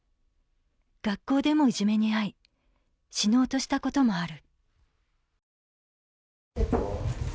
学校でもいじめに遭い死のうとしたこともある。